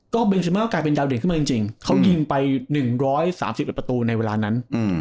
เบนซิเมอร์กลายเป็นดาวเด่นขึ้นมาจริงเขายิงไป๑๓๑ประตูในเวลานั้น